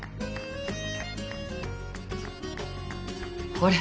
ほれ。